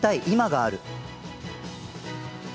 今がある。